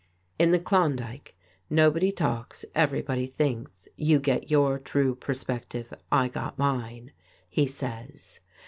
In the Klondike "nobody talks; everybody thinks; you get your true perspective; I got mine," he says.